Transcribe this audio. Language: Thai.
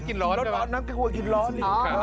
ชอบให่ร้อนต่อรอดน้ำให้กินร้อน